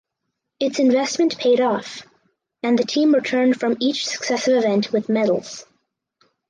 Its investment paid off and the team returned from each successive event with medals.